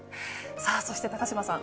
そして、高島さん。